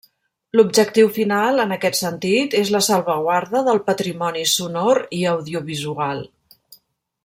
L’objectiu final, en aquest sentit, és la salvaguarda del patrimoni sonor i audiovisual.